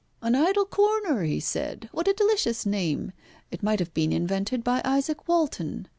"An idle corner," he said. "What a delicious name. It might have been invented by Izaac Walton.